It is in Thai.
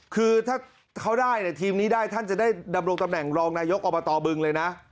คือถ้าทีมนี้ได้ท่านจะได้ดำรวกตำแห่งรองนายกออบดอบบึงเลยนะ